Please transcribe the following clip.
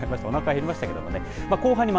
おなか減りましたけれどもね。